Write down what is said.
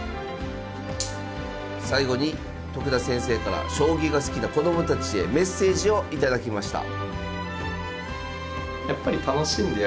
最後に徳田先生から将棋が好きな子供たちへメッセージを頂きました。